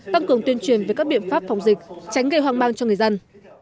tăng cường tuyên truyền về các biện pháp phòng dịch tránh gây hoang mang cho người dân